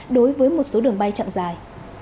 đối với một số đường bay chặng dài